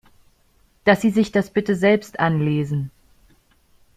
Dass Sie sich das bitte selbst anlesen.